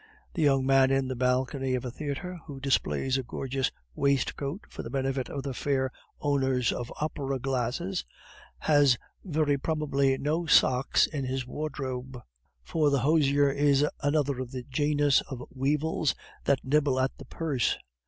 The young man in the balcony of a theatre who displays a gorgeous waistcoat for the benefit of the fair owners of opera glasses, has very probably no socks in his wardrobe, for the hosier is another of the genus of weevils that nibble at the purse.